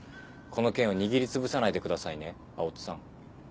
この件を握りつぶさないでくださいね青砥さん。